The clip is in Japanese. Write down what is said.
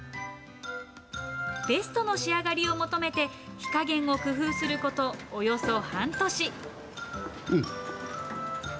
ベストの仕上がりを求めて、火加減を工夫することおよそ半年。